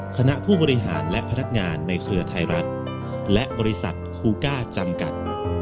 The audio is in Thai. คณะผู้บริหารและพนักงานในเครือไทยรัฐและบริษัทคูก้าจำกัด